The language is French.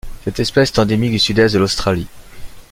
Cette espèce est endémique du Sud-Est de l'Australie.